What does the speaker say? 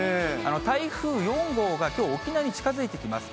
台風４号がきょう、沖縄に近づいてきます。